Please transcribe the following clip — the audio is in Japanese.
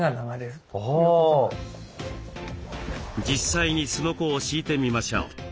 実際にすのこを敷いてみましょう。